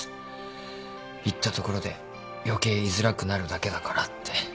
言ったところで余計いづらくなるだけだからって。